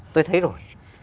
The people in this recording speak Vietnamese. tôi thấy rồi